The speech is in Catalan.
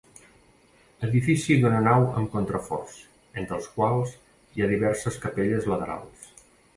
Edifici d'una nau amb contraforts, entre els quals hi ha diverses capelles laterals.